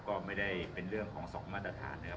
ก็ไม่ได้เป็นเรื่องของ๒มาตรฐานนะครับ